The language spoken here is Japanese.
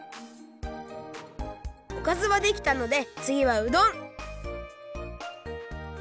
おかずはできたのでつぎはうどん！